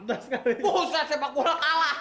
ibu saya sepak bola kalah